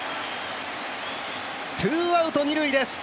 ツーアウト二塁です。